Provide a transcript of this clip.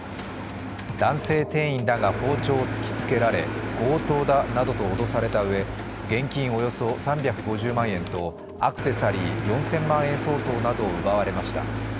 男性店員らが包丁を突きつけられ強盗だなどと脅されたうえ、現金およそ３５０万円とアクセサリー４０００万円相当などを奪われました。